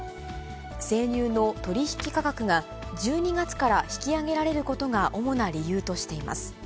生乳の取り引き価格が１２月から引き上げられることが主な理由としています。